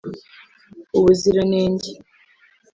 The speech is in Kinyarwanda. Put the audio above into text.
ubuziranenge